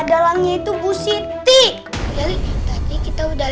dalangnya itu bu siti tadi kita udah